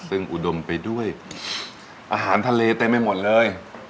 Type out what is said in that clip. ซึ่งอุดมไปด้วยอาหารทะเลเต็มไปหมดเลย